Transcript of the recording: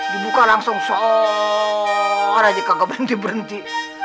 dibuka langsung sooooooooor aja kagak berhenti berhenti